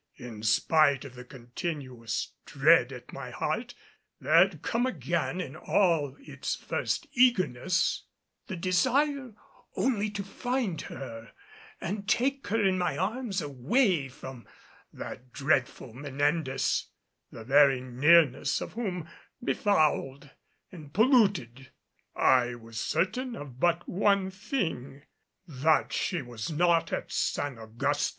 In spite of the continuous dread at my heart, there had come again in all its first eagerness the desire only to find her and take her in my arms away from that dreadful Menendez, the very nearness of whom befouled and polluted. I was certain of but one thing that she was not at San Augustin.